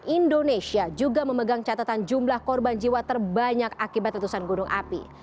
indonesia juga memegang catatan jumlah korban jiwa terbanyak akibat letusan gunung api